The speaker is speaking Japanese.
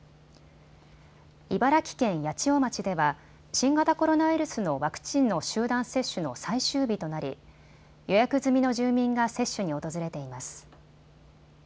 茨城県八千代町では新型コロナウイルスのワクチンの集団接種の最終日となり予約済みの住民が接種に訪れています。